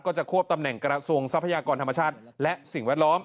จะควบตำแหน่งกระทรวงทรัพยากรธรรมชาติและสิ่งแวดล้อม